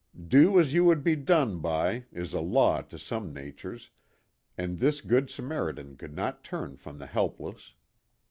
Do as you would be done by is a law to some natures, and this Good Samaritan could not turn from the helpless.